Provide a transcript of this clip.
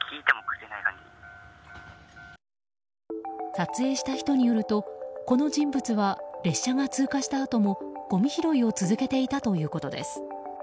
撮影した人によるとこの人物は列車が通過したあともごみ拾いを続けていたということです。